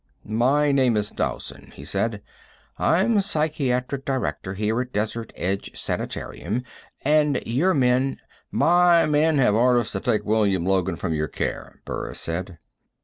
"My name is Dowson," he said. "I'm psychiatric director here at Desert Edge Sanitarium. And your men " "My men have orders to take a William Logan from your care," Burris said.